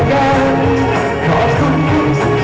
ขอบคุณทุกเรื่องราว